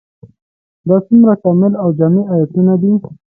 دا څومره کامل او جامع آيتونه دي ؟